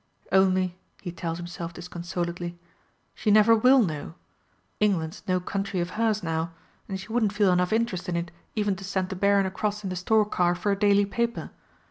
"Only," he tells himself disconsolately, "she never will know. England's no country of hers now, and she wouldn't feel enough interest in it even to send the Baron across in the stork car for a daily paper.